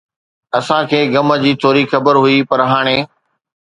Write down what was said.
اسان کي غم جي ٿوري خبر هئي، پر هاڻي